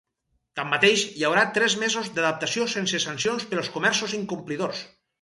Tanmateix, hi haurà tres mesos d’adaptació sense sancions pels comerços incomplidors.